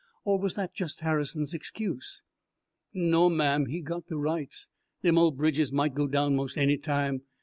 "Or was that just Harrison's excuse?" "No, ma'am; he's got de rights. Dem ole bridges might go down mos' any time.